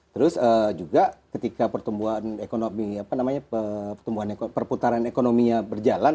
terus juga ketika pertumbuhan ekonomi perputaran ekonominya berjalan